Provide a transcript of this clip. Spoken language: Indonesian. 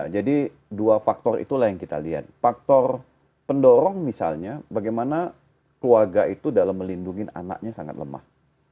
jadi dua faktor itulah yang kita lihat faktor pendorong misalnya bagaimana keluarga itu dalam melindungi anaknya sangat lemah